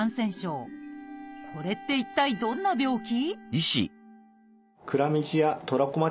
これって一体どんな病気？